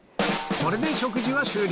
これで食事は終了。